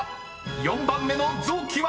［４番目の臓器は］